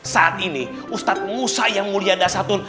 saat ini ustadz musa yang mulia dasatun